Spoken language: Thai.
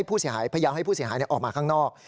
พยายามให้ผู้เสียหายออกมาข้างนอก